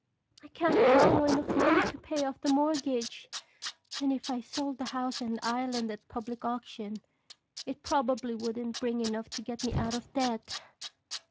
I can't borrow enough money to pay off the mortgage. And if I sold the house and island at public auction it probably wouldn't bring enough to get me out of debt."